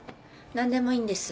何でもいいんです。